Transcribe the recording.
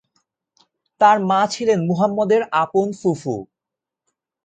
তার মা ছিলেন মুহাম্মদের আপন ফুফু।